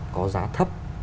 có giá thấp